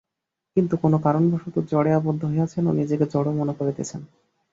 কিন্তু কোন কারণবশত জড়ে আবদ্ধ হইয়াছেন ও নিজেকে জড় মনে করিতেছেন।